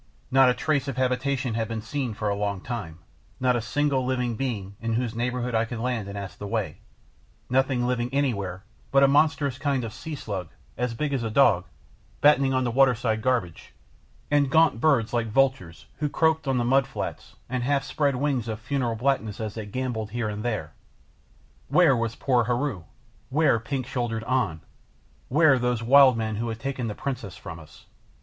Not a trace of habitation had been seen for a long time, not a single living being in whose neighbourhood I could land and ask the way; nothing living anywhere but a monstrous kind of sea slug, as big as a dog, battening on the waterside garbage, and gaunt birds like vultures who croaked on the mud flats, and half spread wings of funereal blackness as they gambolled here and there. Where was poor Heru? Where pink shouldered An? Where those wild men who had taken the princess from us?